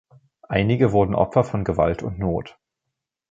Einige wurden Opfer von Gewalt und Not.